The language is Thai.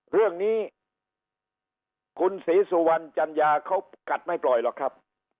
เรื่องนี้คุณศรีสุวรรณจัญญาเขากัดไม่ปล่อยหรอกครับ